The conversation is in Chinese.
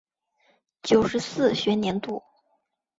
九十四学年度